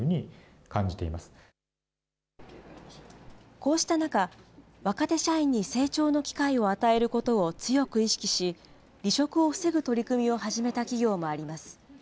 こうした中、若手社員に成長の機会を与えることを強く意識し、離職を防ぐ取り組みを始めた企業もあります。